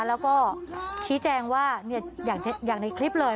แล้วก็ชี้แจงว่าอย่างในคลิปเลย